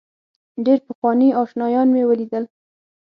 ډېر پخواني آشنایان مې ولیدل.